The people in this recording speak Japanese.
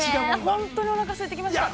◆本当におなかすいてきました。